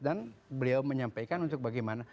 dan beliau menyampaikan untuk bagaimana